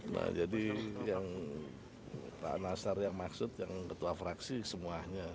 nah jadi yang pak nasar yang maksud yang ketua fraksi semuanya